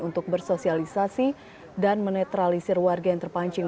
untuk bersosialisasi dan menetralisir warga yang terpancing